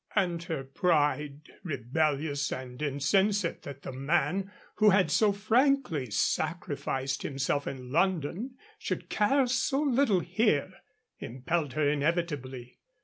And her pride, rebellious and insensate that the man who had so frankly sacrificed himself in London should care so little here, impelled her inevitably.